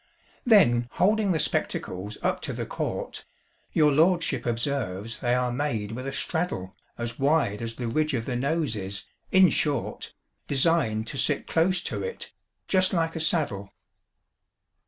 Then holding the spectacles up to the court Your lordship observes they are made with a straddle As wide as the ridge of the Nose is; in short, Designed to sit close to it, just like a saddle.